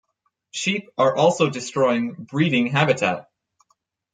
Sheep are also destroying breeding habitat.